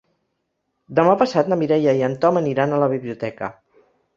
Demà passat na Mireia i en Tom aniran a la biblioteca.